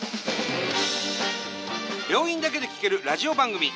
病院だけで聴けるラジオ番組。